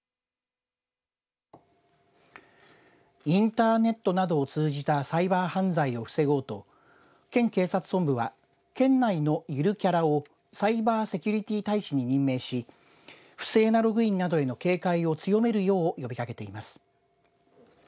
インターネットなどを通じたサイバー犯罪を防ごうと県警察本部は県内のゆるキャラをサイバーセキュリティ大使に任命し不正なログインなどへの警戒を強めるよう呼びかけています。